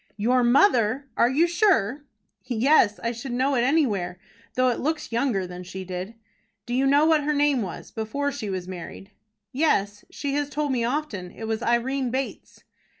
"Your mother! Are you sure?" "Yes; I should know it anywhere, though it looks younger than she did." "Do you know what her name was, before she was married?" "Yes; she has told me often. It was Irene Bates."